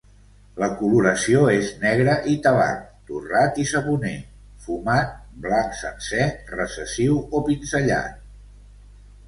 La coloració és negra i tabac, torrat i saboner, fumat, blanc sencer recessiu o pinzellat.